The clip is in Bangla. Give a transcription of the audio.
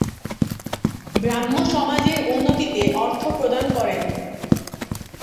ব্রাহ্মসমাজের উন্নতিতে অর্থ প্রদান করেন।